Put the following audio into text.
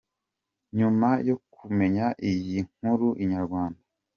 Nyuma yo kumenya iyi nkuru , inyarwanda.